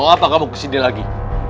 oh apa kamu kesini lagi